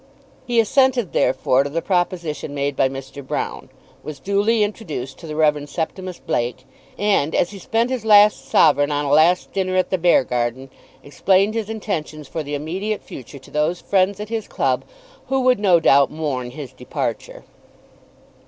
He assented, therefore, to the proposition made by Mr. Broune, was duly introduced to the Rev. Septimus Blake, and, as he spent his last sovereign on a last dinner at the Beargarden, explained his intentions for the immediate future to those friends at his club who would no doubt mourn his departure.